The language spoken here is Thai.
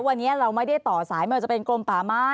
วันนี้เราไม่ได้ต่อสายไม่ว่าจะเป็นกลมป่าไม้